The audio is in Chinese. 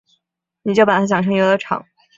你就把他想成游乐场